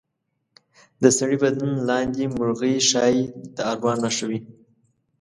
د سړي بدن لاندې مرغۍ ښایي د اروا نښه وي.